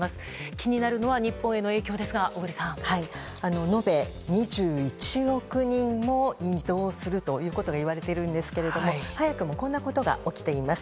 気になるのが日本への影響ですが延べ２１億人も移動することが言われているんですが早くもこんなことが起きています。